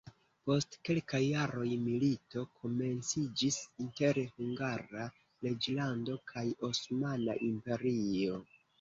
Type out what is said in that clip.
Post kelkaj jaroj milito komenciĝis inter Hungara reĝlando kaj Osmana Imperio.